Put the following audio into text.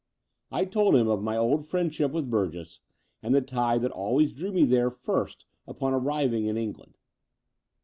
I told him of my old friendship with Burgess, and the tie that always drew me there first upon arriving in England.